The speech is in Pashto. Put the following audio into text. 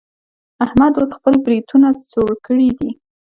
احمد اوس خپل برېتونه څوړ کړي دي.